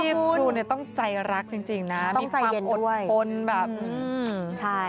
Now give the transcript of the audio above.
อาชีพครูต้องใจรักจริงนะมีความอดทนแบบ